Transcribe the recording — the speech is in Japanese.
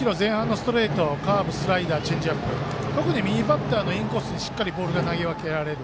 ストレート、カーブ、スライダーチェンジアップ特に右バッターのインコースにしっかりボールが投げ分けられる。